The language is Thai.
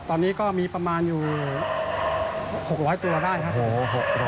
ตอนนี้ก็มีประมาณอยู่๖๐๐ตัวได้ครับ